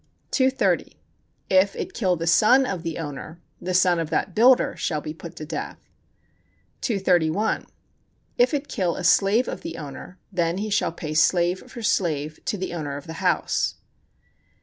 230. If it kill the son of the owner the son of that builder shall be put to death. 231. If it kill a slave of the owner, then he shall pay slave for slave to the owner of the house.